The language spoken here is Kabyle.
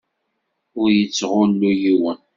Ur yettɣullu yiwen.